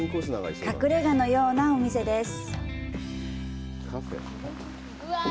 隠れ家のようなお店です。